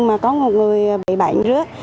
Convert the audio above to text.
mà có một người bị bệnh rước